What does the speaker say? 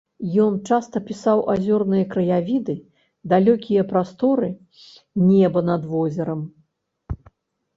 Ён часта пісаў азёрныя краявіды, далёкія прасторы, неба над возерам.